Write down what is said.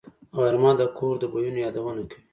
غرمه د کور د بویونو یادونه کوي